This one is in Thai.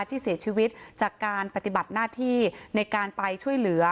ที่เสียชีวิตจากการปฏิบัติหน้าที่ในการไปช่วยเหลือ